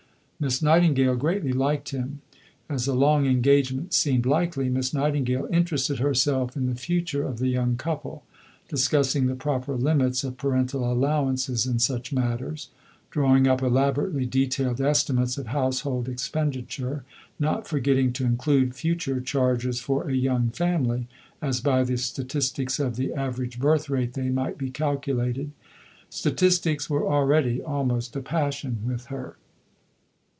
Miss Nightingale greatly liked him. As a long engagement seemed likely, Miss Nightingale interested herself in the future of the young couple; discussing the proper limits of parental allowances in such matters; drawing up elaborately detailed estimates of household expenditure, not forgetting to include future charges for a young family, as by the statistics of the average birth rate they might be calculated. Statistics were already almost a passion with her.